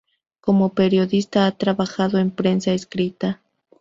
Como periodista ha trabajado en prensa escrita.